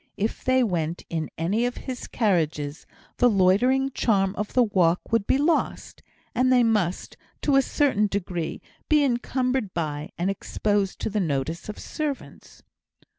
If they went in any of his carriages, the loitering charm of the walk would be lost; and they must, to a certain degree, be encumbered by, and exposed to, the notice of servants.